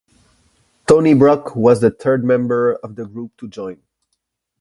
Tony Brock was the third member of the group to join.